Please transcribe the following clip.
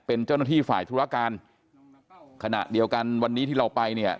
เป็นเจ้าหน้าที่ฝ่ายธุรการขณะเดียวกันวันนี้ที่เราไปเนี่ย